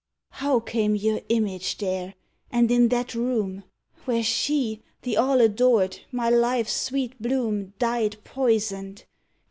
How came your image there? and in that room! Where she, the all adored, my life's sweet bloom, Died poisoned!